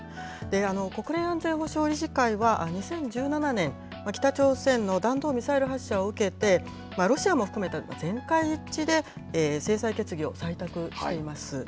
国連安全保障理事会は２０１７年、北朝鮮の弾道ミサイル発射を受けて、ロシアも含めた全会一致で制裁決議を採択しています。